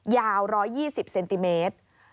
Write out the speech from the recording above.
ยาว๑๒๐เซนติเมตร